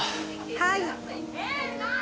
はい。